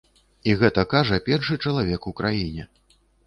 І гэта кажа першы чалавек у краіне.